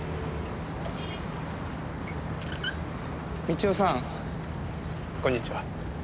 美千代さんこんにちは。